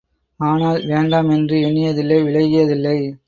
ஆனால் வேண்டாம் என்று எண்ணியதில்லை விலகியதில்லை!